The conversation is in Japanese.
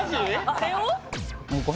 あれを？